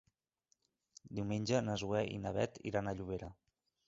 Diumenge na Zoè i na Bet iran a Llobera.